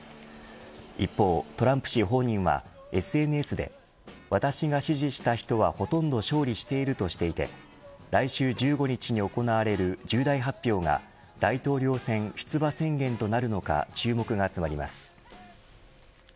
一方トランプ氏本人はＳＮＳで私が支持した人はほとんど勝利しているとしていて来週１５日に行われる重大発表が大統領選出馬宣言となるのか注目が集まります。